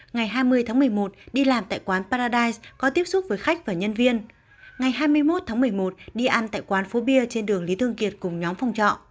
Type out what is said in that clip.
ngày hai mươi tháng một mươi một đi làm tại quán paradise có tiếp xúc với khách và nhân viên ngày hai mươi một tháng một mươi một đi ăn tại quán phố bia trên đường lý thương kiệt cùng nhóm phòng trọ